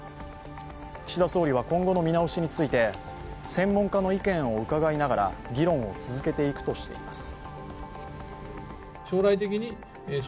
岸田総理は、今後の見直しについて専門家の意見を伺いながら議論を続けていくとしています。